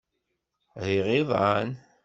Riɣ iḍan.